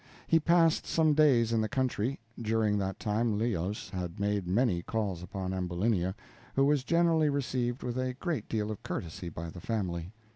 He passed some days in the country. During that time Leos had made many calls upon Ambulinia, who was generally received with a great deal of courtesy by the family.